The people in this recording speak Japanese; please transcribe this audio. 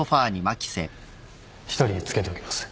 一人つけておきます。